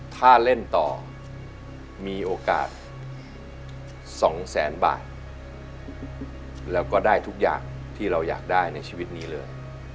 ถ้าเล่นต่อมีโอกาส๒แสนบาทแล้วก็ได้ทุกอย่างที่เราอยากได้ในชีวิตนี้เลย